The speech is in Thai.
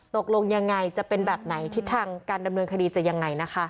ตกลงยังไงจะเป็นแบบไหนทิศทางการดำเนินคดีจะยังไงนะคะ